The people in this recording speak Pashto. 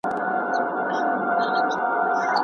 که استاد په املا کي له طنز څخه کار واخلي.